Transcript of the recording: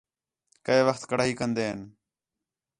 کَئے وخت کڑاہی کندین